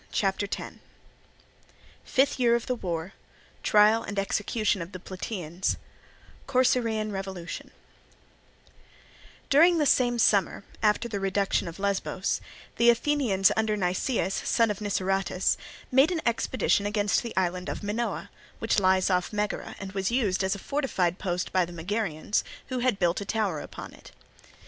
CHAPTER X Fifth Year of the War—Trial and Execution of the Plataeans— Corcyraean Revolution During the same summer, after the reduction of Lesbos, the Athenians under Nicias, son of Niceratus, made an expedition against the island of Minoa, which lies off Megara and was used as a fortified post by the Megarians, who had built a tower upon it.